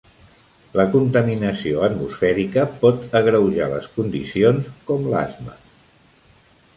La contaminació atmosfèrica pot agreujar les condicions com l'asma.